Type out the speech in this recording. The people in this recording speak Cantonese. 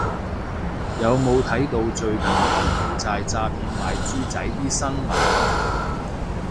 有冇睇到最近柬埔寨詐騙賣豬仔啲新聞